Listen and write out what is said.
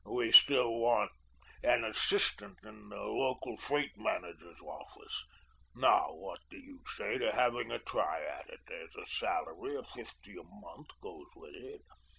We still want an assistant in the local freight manager's office. Now, what do you say to having a try at it? There's a salary of fifty a month goes with it.